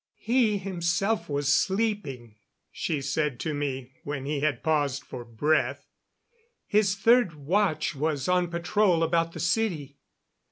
"He himself was sleeping," she said to me when he had paused for breath. "His third watch was on patrol about the city.